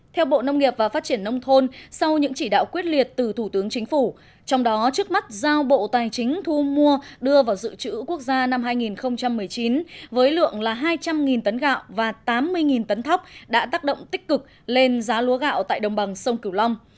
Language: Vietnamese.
theo bộ nông nghiệp và phát triển nông thôn sau những chỉ đạo quyết liệt từ thủ tướng chính phủ trong đó trước mắt giao bộ tài chính thu mua đưa vào dự trữ quốc gia năm hai nghìn một mươi chín với lượng hai trăm linh tấn gạo và tám mươi tấn thóc đã tác động tích cực lên giá lúa gạo tại đồng bằng sông cửu long